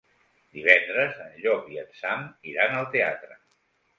Divendres en Llop i en Sam iran al teatre.